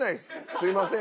すいません。